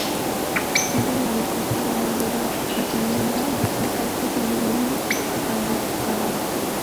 Ello le habría costado una dura reprimenda de Fidel Castro cuando vino el descalabro.